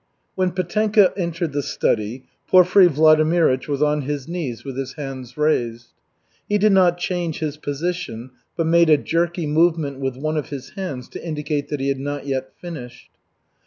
When Petenka entered the study, Porfiry Vladimirych was on his knees with his hands raised. He did not change his position, but made a jerky movement with one of his hands to indicate that he had not yet finished.